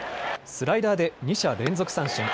スライダーで２者連続三振。